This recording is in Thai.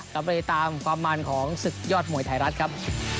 เราไปตามความมันของศึกยอดมวยไทยรัฐครับ